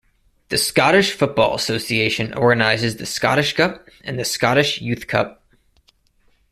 The Scottish Football Association organises the Scottish Cup and the Scottish Youth Cup.